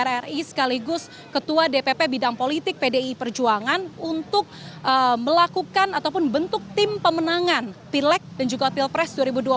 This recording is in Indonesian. dpr ri sekaligus ketua dpp bidang politik pdi perjuangan untuk melakukan ataupun bentuk tim pemenangan pilek dan juga pilpres dua ribu dua puluh